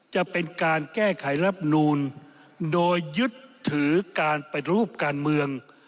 จะเป็นการแก้ไขรับนูลโดยยึดถือการปฏิรูปการเมือง